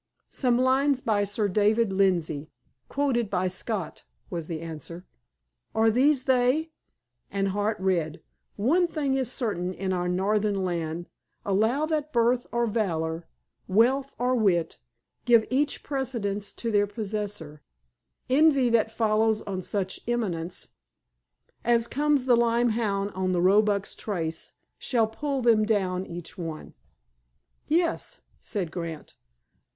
"Some lines by Sir David Lindsay, quoted by Scott," was the answer. "Are these they?" And Hart read: _One thing is certain in our Northern land; Allow that birth, or valor, wealth, or wit, Give each precedence to their possessor, Envy, that follows on such eminence, As comes the lyme hound on the roebuck's trace, Shall pull them down each one._ "Yes," said Grant.